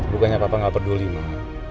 bukannya papa gak peduli mama